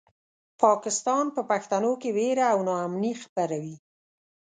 پاکستان په پښتنو کې وېره او ناامني خپروي.